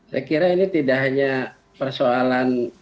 saya kira ini tidak hanya persoalan